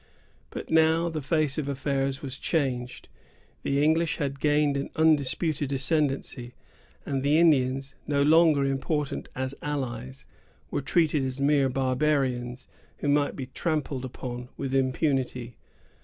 But now the face of affairs was changed. The English had gained an undisputed ascendency, and the Indians, no longer important as allies, were treated as mere barbarians, who might be trampled upon with impunity.